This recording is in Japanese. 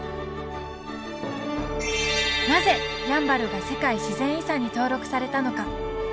なぜやんばるが世界自然遺産に登録されたのか。